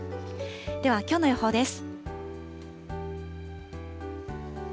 ではきょうの予報です。